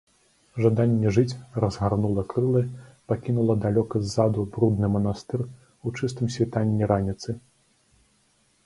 Жаданне жыць разгарнула крылы, пакінула далёка ззаду брудны манастыр у чыстым світанні раніцы.